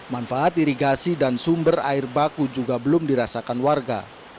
manfaat irigasi dan sumber air baku juga belum dirasakan warga